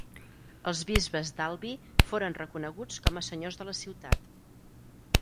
Els bisbes d'Albi foren reconeguts com a senyors de la ciutat.